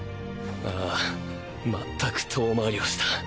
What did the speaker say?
ああ全く遠回りをした。